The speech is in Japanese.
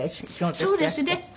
そうですね。